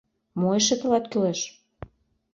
— Мо эше тылат кӱлеш!